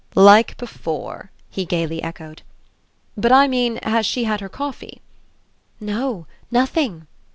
"Like before!" he gaily echoed. "But I mean has she had her coffee?" "No, nothing."